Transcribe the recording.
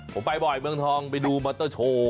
ผมไปบ่อยเมืองทองไปดูมอเตอร์โชว์